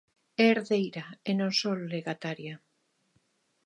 É herdeira e non só legataria.